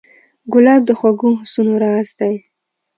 ګلاب د خوږو حسونو راز دی.